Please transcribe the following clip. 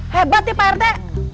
hebat nih parete